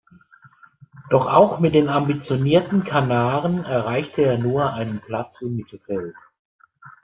Doch auch mit den ambitionierten Kanaren erreichte er nur einen Platz im Mittelfeld.